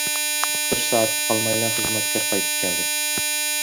بىر سائەتكە قالمايلا خىزمەتكار قايتىپ كەلدى.